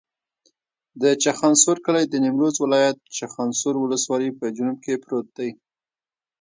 د چخانسور کلی د نیمروز ولایت، چخانسور ولسوالي په جنوب کې پروت دی.